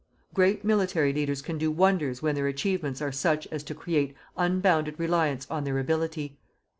Great military leaders can do wonders when their achievements are such as to create unbounded reliance on their ability.